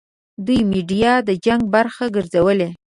دوی میډیا د جنګ برخه ګرځولې.